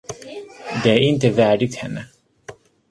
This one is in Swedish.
Det är inte värdigt henne.